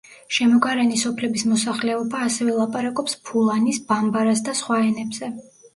შემოგარენი სოფლების მოსახლეობა ასევე ლაპარაკობს ფულანის, ბამბარას და სხვა ენებზე.